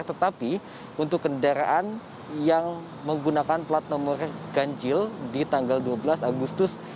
tetapi untuk kendaraan yang menggunakan plat nomor ganjil di tanggal dua belas agustus dua ribu dua puluh satu